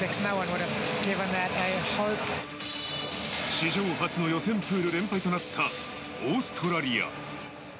史上初の予選プール連敗となったオーストラリア。